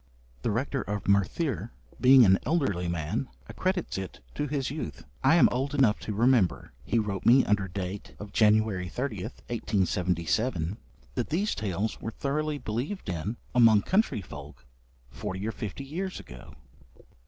The rector of Merthyr, being an elderly man, accredits it to his youth. 'I am old enough to remember,' he wrote me under date of January 30th, 1877, 'that these tales were thoroughly believed in among country folk forty or fifty years ago.'